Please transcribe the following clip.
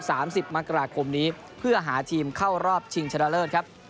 สามสิบมกราคมนี้เพื่อหาทีมเข้ารอบชิงชนะเลิศครับ